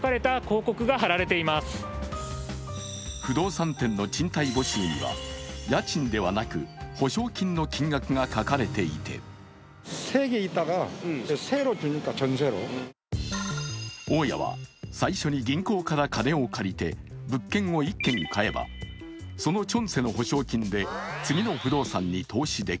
不動産店の賃貸募集には家賃ではなく保証金の金額が書かれていて大家は最初に銀行から金を借りて物件を１軒買えば、そのチョンセの保証金で次の不動産に投資でき